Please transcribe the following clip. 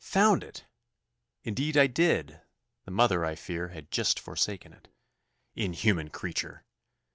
"Found it!" "Indeed I did. The mother, I fear, had just forsaken it." "Inhuman creature!"